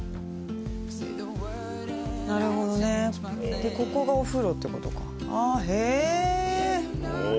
なるほどねでここがお風呂ってことかああへえうわ